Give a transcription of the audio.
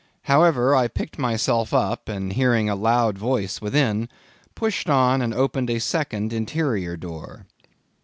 However, I picked myself up and hearing a loud voice within, pushed on and opened a second, interior door.